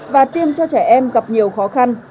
và tiêm cho trẻ em gặp nhiều khó khăn